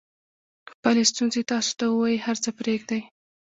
خپلې ستونزې تاسو ته ووایي هر څه پرېږدئ.